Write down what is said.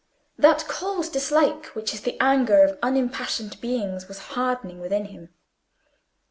That cold dislike which is the anger of unimpassioned beings was hardening within him.